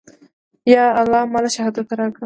يا الله ما له شهادت راکه.